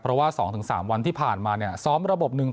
เพราะว่า๒๓วันที่ผ่านมาเนี่ยซ้อมระบบหนึ่ง